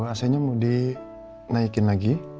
ac nya mau dinaikin lagi